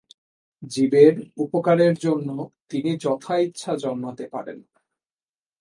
জীবের উপকারের জন্য তিনি যথা ইচ্ছা জন্মাতে পারেন।